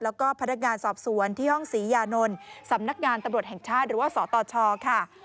แล้วก็พนักงานสอบสวนที่ห้องศรียานนท์สำนักงานตำรวจแห่งชาติหรือว่าสตชค่ะ